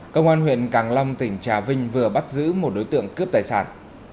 công an huyện càng long tỉnh trà vinh vừa bắt giữ một đối tượng cướp tài sản